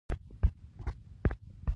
پټه خبره همغږي له منځه وړي.